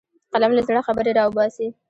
قلم له زړه خبرې راوباسي